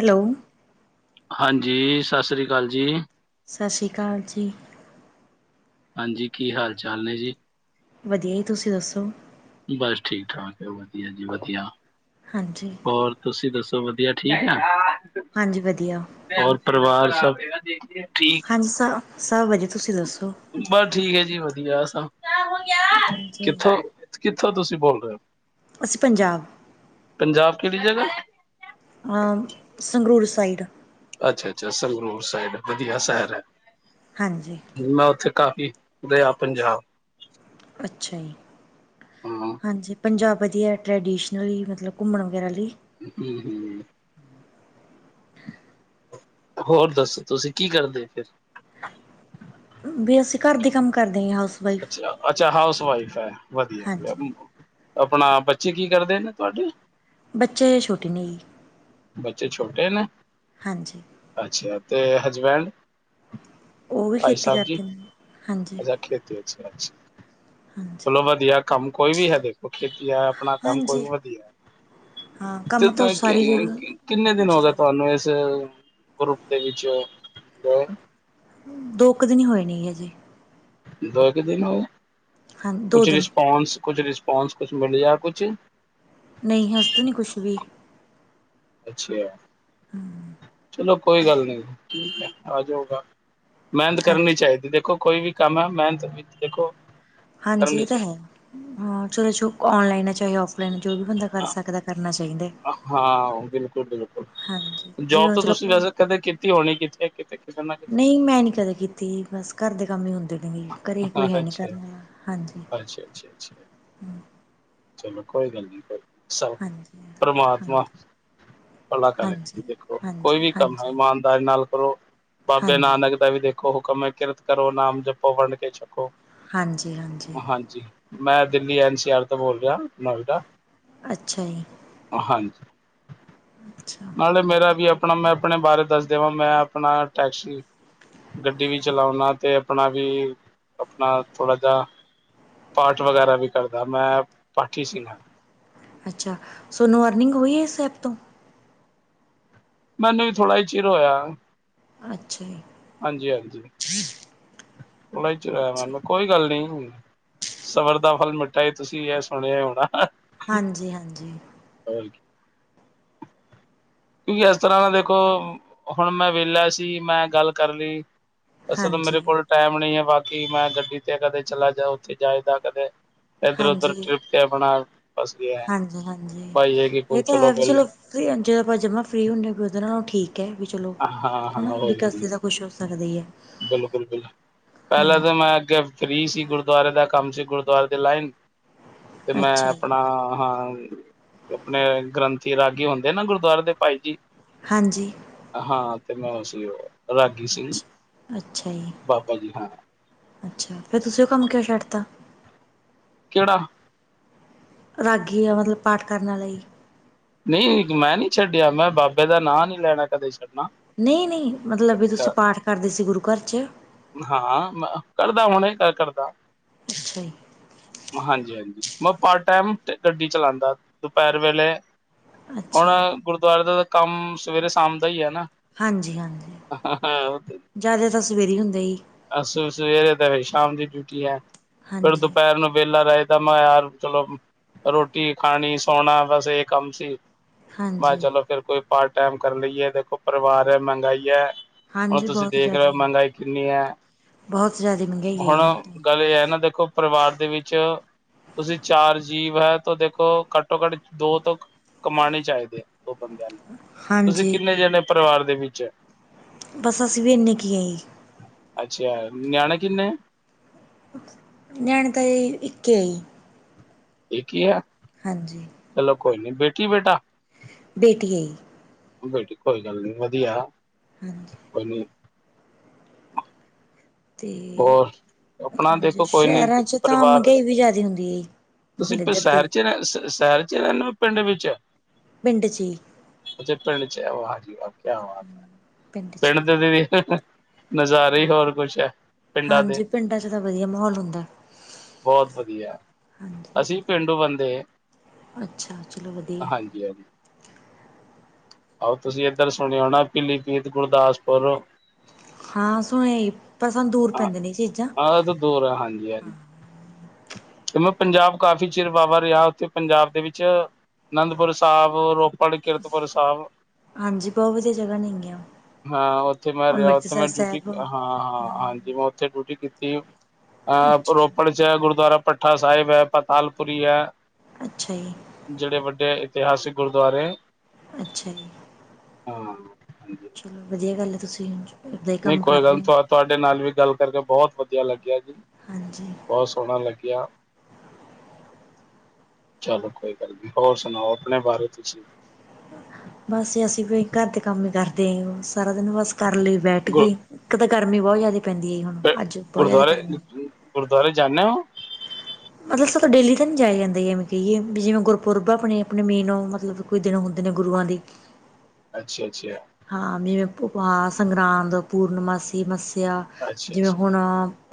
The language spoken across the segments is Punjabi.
ਹੈਲੋ। ਹਾਂਜੀ, ਸਸਰੀ ਕਾਲ ਜੀ। ਸਸਰੀ ਕਾਲ ਜੀ। ਹਾਂਜੀ, ਕੀ ਹਾਲ-ਚਾਲ ਨੇ ਜੀ? ਵਧੀਆ ਜੀ ਤੁਸੀਂ ਦੱਸੋ। ਬਸ ਠੀਕ-ਠਾਕ, ਵਧੀਆ ਜੀ ਵਧੀਆ। ਹਾਂਜੀ। ਹੋਰ ਤੁਸੀਂ ਦੱਸੋ, ਵਧੀਆ ਠੀਕ ਠੀਕ ਆ। ਹਾਂਜੀ ਵਧੀਆ। ਹੋਰ ਪਰਿਵਾਰ ਸਭ, ਠੀਕ? ਹਾਂਜੀ ਸ ਸਭ ਵਧੀਆ ਤੁਸੀਂ ਦੱਸੋ। ਬਸ ਠੀਕ ਹੈ ਜੀ ਵਧੀਆ ਸਬ। ਕਿਆ ਹੋ ਗਿਆ, ਹਾਂਜੀ ਕਿੱਥੋਂ, ਕਿੱਥੋਂ ਤੁਸੀਂ ਬੋਲ ਰਹੇ ਹੋ? ਅਸੀਂ ਪੰਜਾਬ ਪੰਜਾਬ ਕਿਹੜੀ ਜਗ੍ਹਾ? ਹਾ, ਸੰਗਰੂਰ ਸਾਈਡ। ਅੱਛਾ-ਅੱਛਾ, ਸੰਗਰੂਰ ਸਾਇਡ, ਵਧੀਆ ਸ਼ਹਿਰ ਆ। ਹਾਂਜੀ। ਮੈਂ ਉੱਥੇ ਕਾਫੀ ਗਿਆ ਪੰਜਾਬ। ਅੱਛਾ ਜੀ। ਹਾਂ। ਹੂੰ ਹਾਂਜੀ, ਪੰਜਾਬ ਵਧੀਆ ਟਰੈਡੀਸ਼ਨਲੀ ਮਤਲਬ ਘੁੰਮਣ ਵਗੈਰਾ ਲਈ। ਹੂੰ-ਹੂੰ। ਹੋਰ ਦੱਸੋ ਤੁਸੀਂ ਕੀ ਕਰਦੇ ਫਿਰ? ਵੀ ਅਸੀਂ ਘਰ ਦੇ ਕੰਮ ਕਰਦੇ ਆ, ਹਾਊਸ ਵਾਈਫ਼। ਅੱਛਾ ਹਾਊਸ ਵਾਈਫ ਆ, ਵਧੀਆ, ਹਾਂਜੀ ਆਪਣਾ ਬੱਚੇ ਕੀ ਕਰਦੇ ਨੇ ਤੁਹਾਡੇ? ਬੱਚੇ ਛੋਟੇ ਨੇ ਜੀ। ਬੱਚੇ ਛੋਟੇ ਨੇ? ਹਾਂਜੀ। ਅੱਛਾ ਤੇ ਹਜਬੈਂਡ, ਉਹ ਵੀ ਭਾਈ ਖੇਤੀ ਸਾਹਿਬ ਜੀ ਕਰਦੇ ਨੇ ਹਾਂਜੀ ਖੇਤੀ, ਅੱਛਾ-ਅੱਛਾ। ਹਾਂਜੀ ਚਲੋ ਵਧੀਆ ਕੰਮ ਕੋਈ ਵੀ ਹੈ ਦੇਖੋ ਖੇਤੀ ਆਪਣਾ ਕੰਮ ਕੋਈ ਹਾਂਜੀ ਵੀ ਵਧੀਆ। ਹਾਂ ਕੰਮ ਤਾਂ ਸਾਰੀ ਜ਼ਰੂਰ [unintelligible] ਕਿੰਨੇ ਦਿਨ ਹੋ ਗਏ ਜ਼ਰੂਰ ਤੁਹਾਨੂੰ ਇਸ ਗਰੁੱਪ ਦੇ ਵਿਚੋ, ਅ ਦੋ ਕੁ ਦਿਨੀ ਹੋਏ ਨੇ ਜੀ ਹਜੇ। ਦੋ ਕੇ ਦਿਨ ਹੋ ਹਾਂ ਦੋ ਕੁਛ ਦਿਨ ਰਿਸਪੋਂਸ, ਕੁਛ ਰਿਸਪੋਂਸ ਕੁਛ ਮਿਲ ਆ ਕੁਛ। ਨਹੀ ਹਸ ਤਾਂ ਨਹੀਂ ਕੁਛ ਵੀ। ਅੱਛਾ। ਹੂੰਮ ਚਲੋ ਕੋਈ ਗੱਲ ਨੀ, ਠੀਕ ਹੈ ਆ ਜਾਓਗਾ ਮਿਹਨਤ ਕਰਨੀ ਹਾਂਜੀ ਚਾਹੀਦੀ ਦੇਖੋ ਕੋਈ ਵੀ ਕੰਮ ਹੈ ਮਿਹਨਤ ਵਿੱਚ ਦੇਖੋ। ਹਾਂਜੀ ਕਰਨੀ ਇਹ ਤਾਂ ਚਾਹੀਦੀ। ਹੈ, ਹਾਂ ਚੋ ਔਨਲਾਈਨ ਹੈ ਚਾਹੇ ਔਫ ਲਾਈਨ, ਜੋ ਵੀ ਬੰਦਾ। ਕਰ ਸਕਦਾ ਕਰਨਾ ਚਾਹੀਦਾ। ਹਾਂ ਬਿਲਕੁਲ ਓ ਬਿਲਕ ਹਾਂਜੀ ਜਿਵੇਂ ਜੋਬ ਹੁਣ ਤਾਂ ਚਲੋ ਤੁਸੀਂ ਵੈਸੇ ਕਦੇ ਕੀਤੀ ਹੋਣੀ ਕਿਥੇ ਕਿਤੇ-ਕਿਤੇ ਨਾ ਕਿਤੇ। ਨਈ ਮੈਂ ਨੀ ਕਦੇ ਕੀਤੀ ਜੀ ਬਸ ਘਰ ਦੇ ਕੰਮ ਹੀ ਹੁੰਦੇ ਨੇ, ਘਰੇ ਕੋਈ ਹੈ ਨੀ ਕਰਨਾ ਆਲਾ। ਅੱਛਾ-ਅੱਛਾ, ਅੱਛਾ, ਚਲੋ ਕੋਈ ਗੱਲ ਨਹੀਂ ਭਾਈ। ਸਬ ਹਾਂਜੀ ਪਰਮਾਤਮਾ। ਹਾਂਜੀ ਭਲਾਂ ਕਰੇ, ਜੀ ਹਾਂਜੀ ਦੇਖੋ ਕੋਈ ਹਾਂਜੀ ਵੀ ਕੰਮ ਐ ਹਾਂਜੀ ਇਮਾਨ। ਪਿਆਰ ਨਾਲ ਕਰੋ, ਬਾਬੇ ਹਾਂਜੀ ਨਾਨਕ ਦਾ ਵੀ ਦੇਖੋ ਹੁਕਮ ਐ ਕਿਰਤ ਕਰੋ, ਨਾਮ ਜਪੋ, ਵੰਡ ਕੇ ਛਕੋ। ਹਾਂਜੀ-ਹਾਂਜੀ, ਹਾਂਜੀ ਮੈਂ ਦਿੱਲੀ ਐਨ ਸੀ ਆਰ ਤੋਂ ਬੋਲ ਰਿਆ ਨੋਇਡਾ ਅੱਛਾ ਜੀ, ਹਾਂਜੀ, ਅੱਛਾ ਨਾਲੇ ਮੇਰਾ ਵੀ ਆਪਣਾ ਮੈਂ ਆਪਣੇ ਬਾਰੇ ਦੱਸ ਦੇਵਾਂ ਮੈਂ ਆਪਣਾ ਟੈਕਸੀ ਗੱਡੀ ਵੀ ਚਲਾਉਣਾ ਤੇ ਆਪਣਾ ਵੀ, ਆਪਣਾ ਥੋੜ੍ਹਾ ਜਾ ਪਾਠ ਵਗੈਰਾ ਵੀ ਕਰਦਾ, ਮੈਂ ਪਾਠੀ ਸੀ ਨਾ ਅੱਛਾ ਸੋਨੂੰ ਅਰਨਿੰਗ ਹੋਈ ਆ ਇਸ ਐਪ ਤੋਂ? ਮੈਨੂੰ ਨਈ ਥੋੜਾ ਈ ਚਿਰ ਹੋਇਆ। ਅੱਛਾ ਜੀ, ਹਾਂਜੀ-ਹਾਂਜੀ, ਹੁਣੇ ਚਲਾਇਆ ਮੈ ਅੱਛਾ ਵੀ ਕੋਈ ਗੱਲ ਨੀ। ਸਬਰ ਦਾ ਫਲ ਮਿੱਠਾ ਇਹ ਤੁਸੀਂ ਇਹ ਸੁਣਿਆ ਈ ਹੋਣਾ। ਹਾਂਜੀ-ਹਾਂਜੀ। [inaudible] ਕੋਈ ਇਸ ਤਰ੍ਹਾਂ ਨਾ ਦੇਖੋ, ਹੁਣ ਮੈਂ ਵੈਹਲਾ ਸੀ ਮੈਂ ਗੱਲ ਕਰ ਲਈ। ਵੈਸੇ ਤਾਂ ਹਾਂਜੀ ਮੇਰੇ ਕੋਲ ਟਾਈਮ ਨੀ ਐ ਬਾਕੀ ਮੈਂ ਗੱਡੀ ਤੇ ਕਦੇ ਚਲਾ ਜਾ ਉੱਥੇ ਜਾ ਇੱਦਾ ਕਦੇ। ਇਧਰ ਉਧਰ ਹਾਂਜੀ ਟ੍ਰਿਪ ਤੇ ਆਪਣਾ ਬਸ ਗਿਆ ਐ, ਹਾਂਜੀ ਬਾਈ ਹੈਗੇ ਪੁਛ ਲੋ ਪਹਿਲੇ ਤੇ ਜਦੋਂ ਆਪਾਂ ਜਮ੍ਹਾ ਫ੍ਰੀ ਹੁੰਨੇ ਆ ਵੀ ਉਹਦੇ ਨਾਲੋਂ ਠੀਕ ਕਹਿ ਵੀ ਚਲੋ, ਹਾਂ-ਹਾਂ ਹਨਾ ਵੀ ਹੋਰ ਕੀ ਕਸੇ ਤਾਂ ਕੁਛ ਹੋ ਸਕਦਾ ਈ ਆ। ਬਿਲਕੁਲ-ਬਿਲਕੁਲ ਪਹਿਲਾਂ ਤਾਂ ਮੈਂ ਅੱਗੇ ਫ੍ਰੀ ਸੀ ਗੁਰਦੁਆਰੇ ਦਾ ਕੰਮ ਸੀ ਗੁਰਦੁਆਰੇ ਦੇ ਲਾਈਨ ਤੇ ਮੈਂ ਅੱਛਾ ਜੀ ਆਪਣਾ ਹਾਂ ਹੂੰ ਆਪਣੇ ਗ੍ਰੰਥੀ ਰਾਗੀ ਹੁੰਦੇ ਨੇ ਗੁਰਦੁਆਰੇ ਦੇ ਭਾਈ ਜੀ। ਹਾਂਜੀ। ਹਾਂ ਤੇ ਮੈਂ ਉਹ ਸੀ ਓ ਅੱਛਾ, ਅੱਛਾ ਜੀ ਬਾਬਾ ਜੀ ਹਾਂ ਅੱਛਾ ਜੀ, ਫਿਰ ਤੁਸੀਂ ਉਹ ਕੰਮ ਕਿਉਂ ਛੱਡਤਾ? ਕਿਹੜਾ ਰਾਗੀ ਆ ਮਤਲਬ ਪਾਠ ਕਰਨ ਆਲਾ ਜੀ। ਨਈ ਨੀ ਮੈਂ ਨੀ ਛੱਡਿਆ ਮੈਂ ਬਾਬੇ ਦਾ ਨਾਂ ਨੀ ਲੈਣਾ ਕਦੇ ਛੱਡਣਾ। ਨਈ-ਨਈ ਮਤਲਬ ਵੀ ਤੁਸੀਂ ਪਾਠ ਕਰਦੇ ਸੀ ਗੁਰੂ ਘਰ 'ਚ। ਹਾਂ ਮਾ ਕਰਦਾ ਹੁਣੇ ਗਲ ਕਰਦਾ। ਅੱਛਾ ਜੀ। ਹਾਂਜੀ-ਹਾਂਜੀ ਮੈਂ ਪਾਰਟ ਟਾਈਮ ਗੱਡੀ ਚਲਾਉਦਾ ਦੁਪਹਿਰ ਵੇਲੇ ਹੁਣ ਅੱਛਾ ਜੀ ਗੁਰਦੁਆਰੇ ਦਾ ਕੰਮ ਸਵੇਰੇ ਸ਼ਾਮ ਦਾ ਈ ਐ ਨਾ। ਹਾਂਜੀ-ਹਾਂਜੀ, ਜ਼ਿਆਦਾ ਤਾਂ ਸਵੇਰੇ ਈ ਹੁੰਦਾ ਜੀ। ਅ ਸਵੇਰੇ ਦੇ ਸ਼ਾਮ ਦੀ ਡਿਊਟੀ ਏ ਫਿਰ ਹਾਂਜੀ ਦੁਪਹਿਰ ਨੂੰ ਵੈਹਲਾ ਰਹੇਦਾ ਮੈਂ ਯਾਰ ਚਲੋ ਰੋਟੀ ਖਾਣੀ ਸੌਣਾ ਬਸ ਇਹ ਕੰਮ ਸੀ। ਮੈਂ ਹਾਂਜੀ ਚਲੋ ਫਿਰ ਕੋਈ ਪਾਰਟ ਟਾਈਮ ਕਰ ਲਈਏ ਦੇਖੋ ਪਰਿਵਾਰ ਏ ਮਹਿੰਗਾਈ ਏ। ਹੁਣ ਹਾਂਜੀ ਤੁਸੀਂ ਬਹੁਤ ਦੇਖ ਰਹੇ ਜ਼ਿਆਦਾ ਓ ਮਹਿੰਗਾਈ ਕਿੰਨੀ ਏ, ਬਹੁਤ ਜ਼ਿਆਦਾ ਮਹਿੰਗਾਈ ਹੁਣ ਆਈ ਤਾਂ ਗੱਲ ਇਹ ਆ ਨਾ ਦੇਖੋ ਪਰਿਵਾਰ ਦੇ ਵਿੱਚ ਚ, ਤੁਸੀਂ ਚਾਰ ਜੀਵ ਐ ਤਾਂ ਦੇਖੋ ਘੱਟੋ ਘੱਟ ਦੋ ਤੋਂ ਕਮਾਣੇ ਚਹੀਦੇ ਐ, ਉਹ ਬੰਦਿਆਂ ਨੂੰ, ਤੁਸੀਂ ਹਾਂਜੀ ਕਿੰਨੇ ਜਣੇ ਪਰਿਵਾਰ ਦੇ ਵਿੱਚ? ਬਸ ਅਸੀਂ ਵੀ ਇੰਨੀ ਕੀ ਆ ਜੀ। ਅੱਛਾ, ਨਿਆਣੇ ਕਿੰਨੇ? ਨਿਆਣੇ ਤਾਂ ਅਜੇ ਇੱਕ ਐ ਜੀ। ਏਕ ਈ ਆ। ਹਾਂਜੀ। ਚਲੋ ਕੋਈ ਨਾ ਬੇਟੀ-ਬੇਟਾ? ਬੇਟੀ ਆਂ ਜੀ। ਬੇਟੀ ਕੋਈ ਗੱਲ ਨੀ ਵਧੀਆ ਹਾਂਜੀ। ਕੋਈ ਨੀ ਤੇ, ਹੋਰ ਆਪਣਾ ਹਾਂਜੀ ਦੇਖੋ ਕੋਈ ਨੀ ਸ਼ੈਰਾ ਚ ਤਾਂ ਪਰਿਵਾਰ ਮਹਿੰਗਾਈ ਵੀ ਜਾਦੀ ਹੁੰਦੀ ਐ ਜੀ ਤੁਸੀਂ ਪਰਸੈਰ ਚ ਰੈ ਸੈਰ ਚ ਰੈਨੇ ਓ ਪਿੰਡ ਵਿੱਚ ਪਿੰਡ ਚ ਈ ਅੱਛਾ ਪਿੰਡ ਚ ਵਾ ਜੀ ਵਾ ਕਆ ਬਾਤ ਏ ਪਿੰਡ ਦੇ ਨਜ਼ਾਰੇ ਈ ਹੋਰ ਕੁਛ ਐ। ਹਾਂਜੀ ਪਿੰਡਾਂ ਚ ਤਾਂ ਵਧੀਆ ਮਾਹੌਲ ਹੁੰਦਾ। ਬੋਤ ਵਧੀਆ ਹਾਂਜੀ ਅਸੀਂ ਵੀ ਪੇਂਡੂ ਬੰਦੇ ਅੱਛਾ ਚਲੋ ਵਧੀਆ। [unintelligible] ਆਹੋ ਤੁਸੀਂ ਏਧਰ ਸੁਣਿਆ ਹੁਣ ਨਾ ਪੀਲੀਪੀਤ ਗੁਰਦਾਸਪੁਰ ਹਾਂ ਸੁਣਿਆ ਏ ਹਾਂ, ਓ ਤੇ ਦੂਰ ਆ ਹਾਂਜੀ-ਹਾਂਜੀ। ਜਿਵੇਂ ਪੰਜਾਬ ਕਾਫ਼ੀ ਚਿਰ ਵਾਵਾ ਰੈਆ ਓਥੇ ਪੰਜਾਬ ਦੇ ਵਿੱਚ ਅਨੰਦਪੁਰ ਸਾਬ, ਰੋਪੜ, ਕਿਰਤਪੁਰ ਸਾਬ ਹਾਂਜੀ ਬੋਤ ਵਧੀਆ ਜਗਾ ਨੇਗੀਆਂ। ਹਾਂ ਓਥੇ ਮੈਂ ਰੈਆ ਓਥੇ ਅੰਮ੍ਰਿਤਸਰ ਮੈਂ ਡਿਊਟੀ, ਸਾਹਿਬ ਹਾਂ ਆ ਹਾਂਜੀ ਮੈਂ ਓਥੇ ਡਿਊਟੀ ਦੀਤੀ ਆ, ਅਹ ਅੱਛਾ ਰੋਪੜ ਚ ਏ ਗੁਰ ਗੁਰਦੁਆਰਾ ਭੱਠਾ ਸਾਇਬ ਐ ਪਤਾਲਪੁਰੀ ਐ। ਅੱਛਾ ਜੀ। ਜਗੜੇ ਵੱਡੇ ਇਤਿਹਾਸਿਕ ਗੁਰਦੁਆਰੇ ਅੱਛਾ ਜੀ। ਹਾਂ। ਹਾਂਜੀ। ਚਲੋ ਵਧੀਆ ਗੱਲ ਐ ਤੁਸੀਂ ਓਦਾਂ ਹੀ ਨਈ ਕੰਮ ਕਰ ਕੋਈ ਗੱਲ ਨੀ ਰਹੇ ਹੋ। ਤੁਅ ਤੁਆਡੇ ਨਾਲ ਵੀ ਗੱਲ ਕਰਕੇ ਬੋਤ ਵਧੀਆ ਲੱਗਿਆ ਜੀ। ਹਾਂਜੀ। ਬੋਤ ਸੋਣਾ ਲੱਗਿਆ। ਚਲੋ ਕੋਈ ਗੱਲ ਨੀ ਹੋਰ ਸੁਣਾਓ ਅਪਣੇ ਬਾਰੇ ਤੁਸੀਂ ਬਸ ਅਸੀਂ ਵੀ ਕਾਰਦੇ ਕੰਮ ਈ ਕਰਦੇ ਆ ਸਾਰਾ ਦਿਨ ਬਸ ਕਰ ਲਈ ਬੈਠ ਗਏ। ਏਕ ਤੇ ਗਰਮੀ ਬੋਤ ਜਾਦੀ ਪੈਂਦੀ ਐ ਜੀ ਹੁਣ ਅ ਅੱਜ ਬਹੁਤ ਜ਼ਿਆਦਾ ਗੁਰਦੁਆਰੇ, ਗਰਮੀ ਗੁਰਦੁਆਰੇ ਜਾਂਨੇ ਓ ਮਤਲਬ ਸਾਥੋਂ ਡੇਲੀ ਤਾਂ ਨੀ ਜਾਇਆ ਜਾਂਦਾ ਜੀ ਐਵੇਂ ਕਹੀਏ ਵੀ ਜਿਵੇਂ ਗੁਰਪੁਰਬ ਆਪਣੇ-ਆਪਣੇ ਮੇਨ ਮਤਲਬ ਕੋਛ ਦਿਨ ਹੁੰਦੇ ਨੇ ਗੁਰੂਆਂ ਦੀ ਅੱਛਾ-ਅੱਛਾ। ਹਾਂ ਮੇਵੇਂ ਓਪ ਹਾਸ ਸੰਗਰਾਂਦ, ਪੂਰਨਮਾਸੀ, ਮੱਸਿਆ ਜਿਵੇਂ ਅੱਛਾ-ਅੱਛਾ ਹੁਣ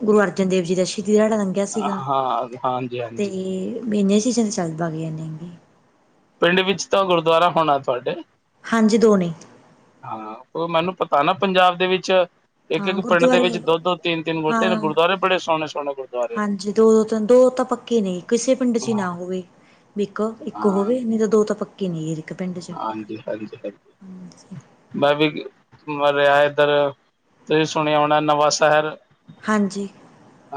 ਗੁਰੂ ਅਰਜਨ ਦੇਵ ਜੀ ਦਾ ਸ਼ਹੀਦੀ ਦਿਹਾੜਾ ਲੰ ਲੰਗਿਆ ਸੀਗਾ ਹਾਂ ਤੇ ਹਾਂਜੀ-ਹਾਂਜੀ ਮੀਨੇ ਸੀਜ਼ਨ ਚੱਲ ਬਗ ਜਾਂਨੇ ਆ ਗੇ ਪਿੰਡ ਵਿੱਚ ਤਾ ਗੁਰਦੁਆਰਾ ਹੋਨਾ ਤੁਆਡੇ। ਹਾਂਜੀ ਦੋ ਨੇ। ਹਾਂ ਓ ਮੈਨੂੰ ਪਤਾ ਨਾ ਪੰਜਾਬ ਦੇ ਵਿੱਚ। ਹਾਂ ਇੱਕ-ਇੱਕ ਪਿੰਡ ਦੇ ਗੁਰਦੁਆਰੇ ਵਿੱਚ ਦੋ-ਦੋ ਤਿੰਨ-ਤਿੰਨ ਬੋਤੇ ਤਾ ਹਾਂ ਗੁਰਦੁਆਰੇ ਬੜੇ ਸੋਹਣੇ-ਸੋਹਣੇ ਗੁਰਦੁਆਰੇ। ਹਾਂਜੀ ਦੋ ਦੋ ਤਿੰਨ ਦੋ ਤਾਂ ਪੱਕੇ ਨਈ ਕਿਸੇ ਪਿੰਡ ਚ ਈ ਹਾਂ ਨਾ ਹੋਵੇ ਵੇਖੋ ਇੱਕ ਹੋਵੇ ਨੀ ਤਾ ਦੋ ਤਾ ਪੱਕ ਪੱਕੇ ਨੀ ਏ ਇੱਕ ਪਿੰਡ ਚ। ਹਾਂਜੀ ਹਾਂਜੀ ਹਾਂਜੀ। ਹਾਂਜੀ ਮੈਂ ਵੀ ਮਰਆਯੇ ਏਧਰ ਤੁਸੀ ਸੁਣਿਆ ਹੋਨਾ ਨਵਾ ਸ਼ੇਹਰ। ਹਾਂਜੀ।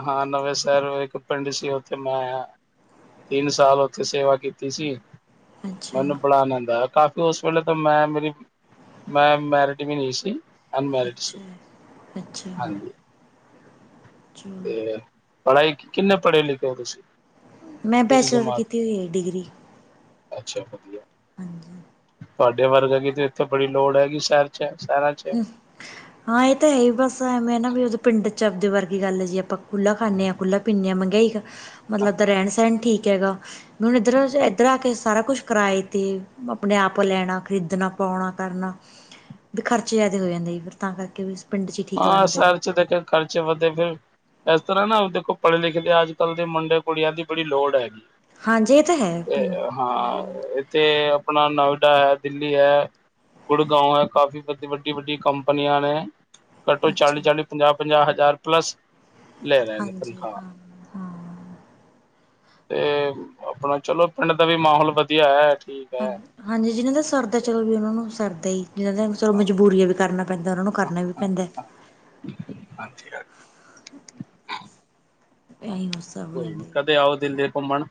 ਹਾਂ ਨਵੇ ਸ਼ੇਰ ਇੱਕ ਪਿੰਡ ਸੀ ਐਥੋ ਮੈਂ ਆਆ। ਤਿੰਨ ਸਾਲ ਓਥੇ ਸੇਵਾ ਕੀਤੀ ਸੀ ਅੱਛਾ ਮੈਨੂੰ ਬੜਾ ਆਨੰਦ ਆਆ ਕਾਫ ਉਸ ਵੇਲੇ ਤਾ ਮੈਂ ਮੇਰੀ ਮੈਂ ਮੇਰੀਡ ਵੀ ਨੀ ਸੀ। ਅਨਮੈਰਿਡ ਸਰ ਅੱਛਾ ਹਾਂਜੀ। ਅਛਾ। ਪੜਾਈ ਕਿੰਨੇ ਪੜੇ ਲਿਖੇ ਓ ਤੁਸੀ? ਮੈਂ ਬੈਚਲਰ ਕੀਤੀ ਹੋਈ ਏ ਡਿਗਰੀ। ਅੱਛਾ ਵਧੀਆ। ਹਾਂਜੀ। ਤੁਆਡੇ ਵਰਗੇ ਦੀ ਤੇ ਇੱਥੇ ਬੜੀ ਲੋੜ ਹੈਗੀ ਸ਼ੇਰ ਚ ਸ਼ੇਹੇਰਾ ਹੂੰ। [inaudible] ਹਾਂ ਐ ਤਾ ਹੈ ਈ ਬਸ ਐਵੇ ਨਾ ਵੀ ਪਿੰਡ ਚ ਆਪਦੇ ਵਰਗੀ ਗੱਲ ਜੀ ਆਪਾ ਕੂਲਾ ਖਾਂਨੇ ਆ ਕੂਲਾ ਪੀਦੇ ਆ ਮੈਗਾਈ ਮਤਲਬ ਦਾ ਰੈਣ ਸੈਣ ਠੀਕ ਹੈਗਾ। ਹੁਨ ਇੱਧਰ ਐਧਰ ਆ ਕੇ ਸਾਰਾ ਕੁਛ ਕਰਾਏ ਤੇ ਅਪਨੇ ਆਪ ਲੈਣਾ ਖਰੀਦਨਾ ਪੌਣਾ ਕਰਨਾ। ਵੀ ਖਰਚੇ ਜਾਦੇ ਹੋ ਜਾਂਦੇ ਫਿਰ ਤਾ ਕਰਕੇ ਵੀ। ਪਿੰਡ 'ਚ ਹੀ ਠੀਕ ਹਾਂ ਲੱਗਦਾ ਸਰਚ ਤੇ ਤੇ ਖਰਚੇ ਵਦੇ ਪਏ। ਐਸਰਾ ਨਾ ਦੇਖੋ ਪੜੇ ਲਿਖੇ ਦੇ ਅੱਜ ਕੱਲ ਦੇ ਮੁੰਡੇ ਕੁੜੀਆ ਦੀ ਬੜੀ ਲੋੜ ਹੈਗੀ। ਹਾਂਜੀ ਏ ਤਾ ਹੈ ਤੇ ਪ੍ਰੀਮ ਹਾਂ ਐਥੇ ਅਪਣਾ ਨੋਇਡਾ ਐ ਦਿੱਲੀ ਐ। ਗੁੜਗਾਓ ਐ ਕਾਫੀ ਵੱਦੀ ਵੱਡੀ ਵੱਡੀ ਕੰਪਨੀਆ ਨੇ। ਘੱਟੋ ਅੱਛਾ ਚਾਲੀ-ਚਾਲੀ ਪੰਜਾ-ਪੰਜਾ ਹਜਾਰ ਪਲੱਸ ਲੈ ਰਹੇ ਨੇ ਹਾਂਜੀ ਤਨਖਾ। ਹਾਂ ਹਾਂ ਤੇ ਅਪਣਾ ਚਲੋ ਪਿੰਡ ਦਾ ਵੀ ਮਹੌਲ ਵਧੀਆ ਐ। ਹਾਂ ਹਾਂਜੀ ਜਿਨਾ ਦਾ ਸਰਦਾ ਚੱਲ ਵੀ ਓਨਾਂ ਨੂੰ ਸਰਦਾ ਈ। ਜਿਨਾ ਦੇ ਚਲੋ ਮਜਬੂਰੀ ਐ ਵੀ ਕਰਨਾ ਪੈਂਦਾ ਓਨਾ ਨੂੰ ਕਰਨਾ ਵੀ ਪੈਂਦਾ। ਹਾਂਜੀ ਹਾਂ। ਐਹੀ ਬਸ। ਕਦੇ ਆਓ ਦਿੱਲੀ ਘੁੰਮਣ।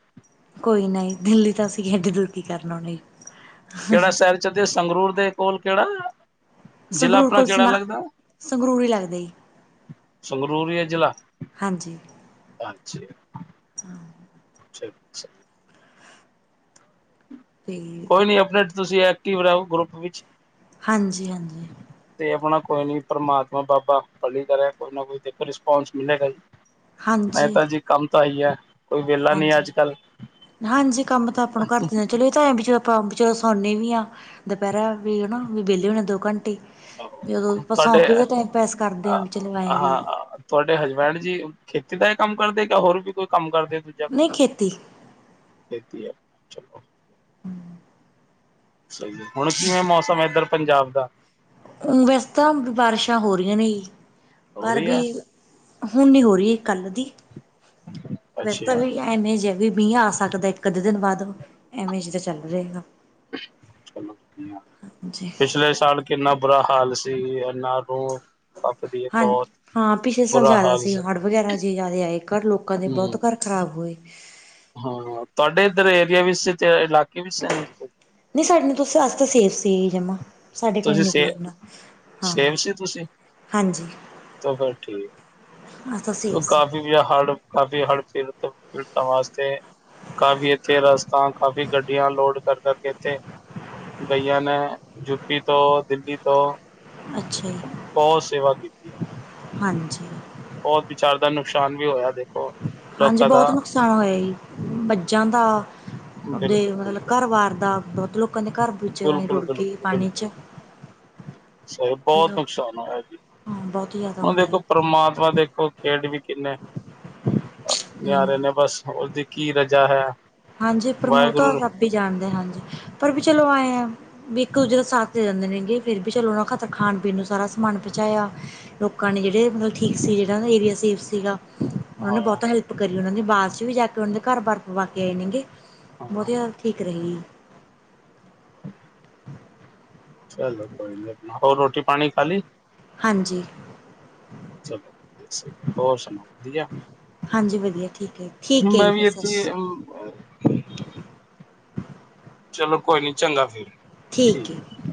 ਕੋਈ ਨਈ ਦਿੱਲੀ ਤਾ ਅਸੀ ਐਡੀ ਦੂਰ ਕੀ ਕਰਨ ਓਨ ਲਈ। ਕੇੜਾ ਸੈ਼ਰ ਚੱਲਦੇ ਸੰਗਰੂਰ ਦੇ ਕੋਲ ਕੇੜਾ? ਜਿਲਾ ਸੰਗਰੂਰ ਆਪਣਾ ਕੋਲ ਕੇੜਾ ਸੁਣਾ ਲੱਗਦਾ? ਸੰਗਰੂਰ ਹੀ ਲੱਗਦਾ ਜੀ ਸੰਗਰੂਰ ਈ ਐ ਜਿਲਾ ਹਾਂਜੀ ਅੱਛਾ। [unintelligible] ਛਾ ਛਾ। ਤੇ ਕੋਈ ਨੀ ਅਪਨਾ ਤੁਸੀ ਐਕਟਿਵ ਰਾਓ ਗਰੁੱਪ ਵਿੱਚ। ਹਾਂਜੀ-ਹਾਂਜੀ, ਤੇ ਆਪਣਾ ਕੋਈ ਨੀ ਪਰਮਾਤਮਾ ਬਾਬਾ ਭਲੀ ਕਰੇ ਕੋਈ ਨਾ ਕੋਈ ਦੇਖੋ ਰਿਸਪੋਂਸ ਮਿਲੇਗਾ ਈ। ਹਾਂਜੀ ਮੇਹਤਾ ਜੀ ਕੰਮ ਤਾਂ ਐਹੀ ਐ। ਕੋਈ ਵੇਲਾ ਨੀ ਐ ਅੱਜ ਹਾਂਜੀ ਕੱਲ ਹਾਂਜੀ ਕੰਮ ਤਾਂ ਆਪਾਂ ਨੂੰ ਘਰ ਦੇ ਚਲੋ ਇਹ ਤਾਂਂ ਐ ਵੀ ਆਪਾਂ ਸੋਨੇ ਵੀ ਆ, ਦੁਪਹਿਰਾ ਵੀ ਹਨਾ ਵਿਹਲੇ ਹੁਨੇ ਆ ਵੀ ਦੋ ਘੰਟੇ ਵੀ ਆਪਾਂ ਸੌ ਤੁਹਾਡੇ ਕੇ ਦਾ ਟਾਈਮ ਪਾਸ ਕਰਦੇ ਆ ਵੀ ਚਲੋ ਆਏ ਵੀ, ਹਾਂ ਤੁਹਾਡੇ ਹਸਬੈਂਡ ਜੀ, ਖੇਤੀ ਦਾ ਕੰਮ ਕਰਦੇ ਜਾਂ ਹੋਰ ਵੀ ਕੋਈ ਕੰਮ ਕਰਦੇ? ਦੂਜਾ ਕੋਈ ਨਈ ਖੇਤੀ, ਖੇਤੀ ਐ ਚਲੋ। ਹੂੰ, ਸਹੀ ਹੁਣ ਕਿਵੇਂ ਐ ਮੌਸਮ ਇੱਧਰ ਪੰਜਾਬ ਦਾ? ਵੈਸੇ ਤਾਂ ਬਾਰਿਸ਼ਾਂ ਹੋ ਰੀਆਂ ਨੇ ਜੀ ਹੋ ਪਰ ਰਹੀ ਹੈ ਵੀ ਹੁਣ ਨੀ ਹੋ ਰੀ ਕੱਲ ਦੀ, ਵੈਸ ਤਾਂ ਅੱਛਾ ਵੀ ਐਵੇਂ ਜੇ ਵੀ ਮੀਂਹ ਆ ਸਕਦਾ ਇੱਕ ਅੱਧੇ ਦਿਨ ਬਾਦ, ਐਵੇਂ ਜੇ ਦਾ ਚੱਲ ਰਿਹਾਗਾ। ਹਾਂਜੀ ਪਿਛਲੇ ਸਾਲ ਕਿੰਨਾ ਬੁਰਾ ਹਾਲ ਸੀ ਇਹਨਾਂ ਨੂੰ ਹਾਂ-ਹਾਂ ਪਿਛਲੇ ਬੁਰਾ ਜ਼ਿਆਦਾ ਹਾਲ ਸੀ ਹੜ ਵਗੈਰਾ ਜੇ ਜ਼ਿਆਦਾ ਘਰ ਲੋਕਾਂ ਦੇ ਬੋਤ ਹਮ ਘਰ ਖ਼ਰਾਬ ਹੋਏ ਹਾਂ ਤੁਹਾਡੇ ਇੱਧਰ ਏਰੀਆ ਵਿੱਚ ਤੇ ਇਲਾਕੇ ਵਿੱਚ ਨਈ ਸਾਡੇ ਨੂੰ ਅਸੀ ਤਾਂ ਸੇਫ ਸੀੇ ਜਮਾਂ ਸਾਡੇ ਘਰ ਤੁਸੀਂ ਸੇ ਨਿਕਲੇਨਾ, ਹਾਂ ਹਾਂਜੀ [unintelligible] ਔ ਫਿਰ ਠੀਕ, ਅਜ ਤਾਂ ਸੇਫ ਉਹ ਸੀ ਕਾਫ਼ੀ ਹੜ ਕਾਫੀ ਹੜ੍ਹ ਪੀੜਤ ਪੀੜਤਾਂ ਵਾਸਤੇ ਕਾਫੀ ਇੱਥੇ ਰਸਤਾ ਕਾਫੀ ਗੱਡੀਆਂ ਲੋਡ ਕਰ ਕਰਕੇ ਇੱਥੇ ਗਈਆ ਨੇ, ਯੂਪੀ ਤੋਂ ਦਿੱਲੀ ਤੋਂ ਅੱਛਾ ਜੀ, ਬਹੁਤ ਸੇਵਾ ਹਾਂਜੀ। ਬੋਤ ਵਿਚਾਰ ਦਾ ਨੁਕਸਾਨ ਵੀ ਹੋਇਆ ਦੇਖ ਹਾਂਜੀ ਬਹੁਤ ਨੁਕਸਾਨ ਹੋਇਆ ਜੀ ਮੱਝਾਂ ਦਾ ਦੇ ਬਿਲਕੁਲ ਮਤਲਬ ਬਿਲਕੁਲ ਘਰ ਵਾਰ ਦਾ ਬਹੁਤ ਲੋਕਾਂ ਦੇ ਘਰ ਵਿੱਚ ਅਈ ਬਿਲਕੁਲ ਰੁੜ ਗੇ ਪਾਣੀ ਚ ਸੋ ਵੀ ਬੋਤ ਹਾਂ ਨੁਕਸਾਨ ਹੋਇਆ ਜੀ। ਬਹੁਤ ਹੀ ਜ਼ਿਆਦਾ ਹੁਣ ਹੁੰਦਾ ਹੈ ਦੇਖੋ ਪਰਮਾਤਮਾ ਦੇਖੋ ਖੇਡ ਵੀ ਕਿੰਨੇ ਹਮ ਨਿਆਰੇ ਨੇ ਬਸ ਉਸਦੀ ਕੀ ਰਜਾ ਐ। ਹਾਂਜੀ ਪ੍ਰਮੋ ਤਾਂ ਰੱਬ ਈ ਜਾਣਦੇ ਹਾਂਜੀ ਪਰ ਵੀ ਚਲੋ ਐ ਏ। ਵੀ ਇੱਕ ਦੂਜੇ ਦਾ ਸਾਥ ਦੇ ਦਿੰਦੇ ਨੇਗੇ ਫੇਰ ਵੀ ਚਲੋ ਉਹ ਨੂੰ ਖਾਤਰ ਖਾਣ ਪੀਣ ਨੂੰ ਸਾਰਾ ਸਮਾਨ ਪਹੁੰਚਾਇਆ ਲੋਕਾਂ ਨੇ ਜਿਹੜੇ ਮਤਲਬ ਠੀਕ ਸੀ ਜਿਹੜਾ ਏਰੀਆ ਸੀਗਾ ਉਹਨਾਂ ਨੇ ਹਾਂ ਬਹੁਤਾ ਹੈਲਪ ਕਰੀ ਉਹਨਾਂ ਆਵਾਜ਼ ਚ ਵੀ ਜਾ ਕੇ ਉਹਨਾਂ ਦੇ ਘਰ ਬਾਰ ਪਵਾ ਕੇ ਆਏ ਨੇਗੇ ਬੋਤ ਹਾਂ ਜਿਆਦਾ ਫਿਕਰ ਐ ਜੀ। ਚੱਲੋ ਕੋਈ ਨੀ ਆਪਣਾ ਹੋਰ ਰੋਟੀ ਪਾਣੀ ਖਾਲੀ? ਹਾਂਜੀ, ਚਲੋ ਹੋਰ ਸੁਣਾਓ ਵਧੀਆ ਹਾਂਜੀ ਵਧੀਆ ਠੀਕ ਐ ਠੀਕ ਐ ਜੀ ਮੈਂ ਵੀ ਇੱਥੇ ਬਸ ਚਲੋ ਕੋਈ ਨੀ ਚੰਗਾ ਫਿਰ, ਠੀਕ ਆ